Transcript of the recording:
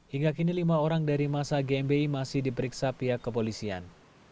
hingga kini lima orang dari masa gmi masih diperiksa pihak kepolisian